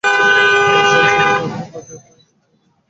তার সহজ সরল ব্যবহার, তার যত্ন-এইসব তোমাকে মুগ্ধ করেছে।